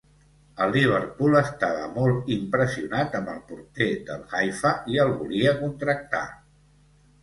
El Liverpool estava molt impressionat amb el porter del Haifa i el volia contractar.